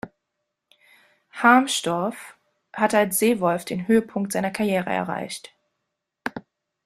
Harmstorf hatte als Seewolf den Höhepunkt seiner Karriere erreicht.